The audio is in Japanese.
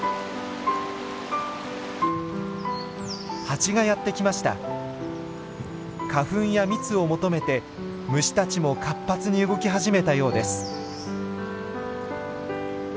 ハチがやって来ました。花粉や蜜を求めて虫たちも活発に動き始めたようです。